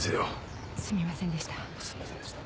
すみませんでした。